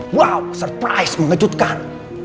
wow surprise mengejutkan